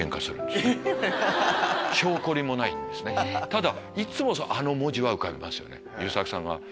ただ。